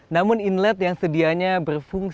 namun inlet yang sedianya berfungsi